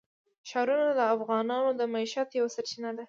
ښارونه د افغانانو د معیشت یوه سرچینه ده.